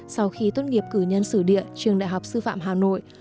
sau khi tốt nghiệp cử nhân sử địa trường đại học sư phạm hà nội